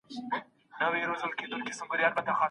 ژوند د ګڼو ستونزو په مابينځ کي ښه دی ؟